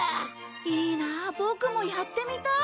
いいなあボクもやってみたい。